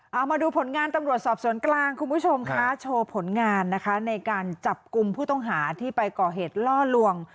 เอามาดูผลงานตำรวจสอบสวนกลางคุณผู้ชมคะโชว์ผลงานนะคะในการจับกลุ่มผู้ต้องหาที่ไปก่อเหตุล่อลวง